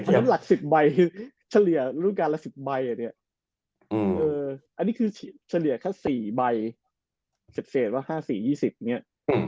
น้ำหลัก๑๐ใบเฉลี่ยรุ่นการละ๑๐ใบอ่ะเนี่ยอันนี้คือเฉลี่ยแค่๔ใบเสร็จว่า๕๔๒๐เนี่ย